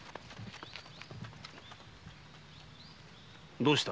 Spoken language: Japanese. どうした？